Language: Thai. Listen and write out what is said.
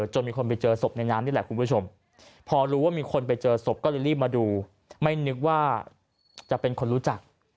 จนมีคนจะเจอศพแนะนานได้เลยคุณผู้ชม